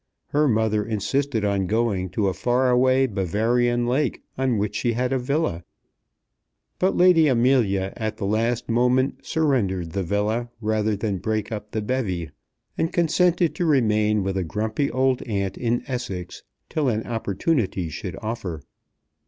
Her mother insisted on going to a far away Bavarian lake on which she had a villa; but Lady Amelia at the last moment surrendered the villa rather than break up the bevy, and consented to remain with a grumpy old aunt in Essex till an opportunity should offer.